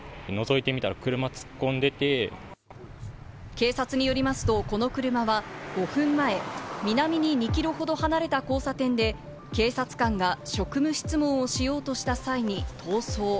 警察によりますとこの車は、５分前、南に２キロほど離れた交差点で、警察官が職務質問をしようとした際に逃走。